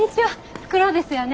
袋ですよね？